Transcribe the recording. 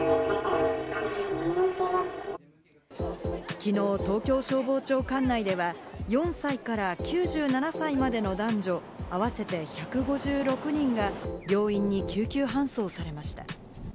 きのう、東京消防庁管内では４歳から９７歳までの男女合わせて１５６人が病院に救急搬送されました。